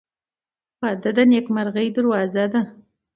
• واده د نیکمرغۍ دروازه ده.